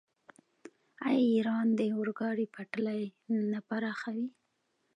آیا ایران د اورګاډي پټلۍ نه پراخوي؟